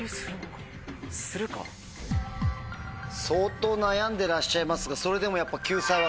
相当悩んでらっしゃいますがそれでもやっぱ。